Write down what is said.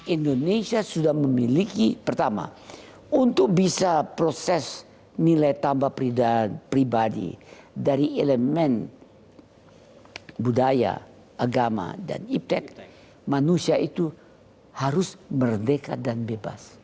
indonesia sudah memiliki pertama untuk bisa proses nilai tambah pribadi dari elemen budaya agama dan iptek manusia itu harus merdeka dan bebas